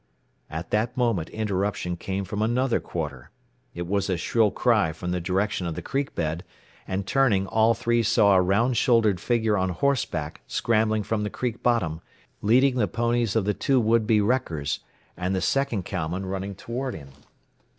At that moment interruption came from another quarter. It was a shrill cry from the direction of the creek bed, and turning, all three saw a round shouldered figure on horseback scrambling from the creek bottom, leading the ponies of the two would be wreckers, and the second cowman running toward him.